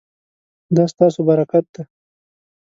دا ستاسو برکت دی